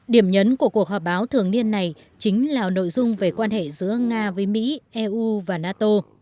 điểm nhấn của cuộc họp báo thường niên này chính là nội dung về quan hệ giữa nga với mỹ eu và nato